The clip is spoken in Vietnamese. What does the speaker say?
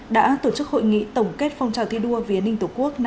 đã tổ chức hội nghị tổng kết phong trào thi đua vía ninh tổ quốc năm hai nghìn hai mươi ba